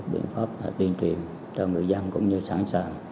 biện pháp tuyên truyền cho người dân cũng như sẵn sàng